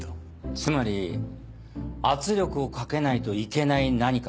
つまり圧力をかけないといけない何かがある。